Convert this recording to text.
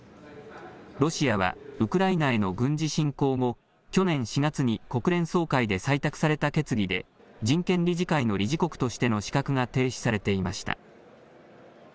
ロシアはウクライナへの軍事侵攻後、去年４月に国連総会で採択された決議で人権理事会の理事国としての資格が停止されていました。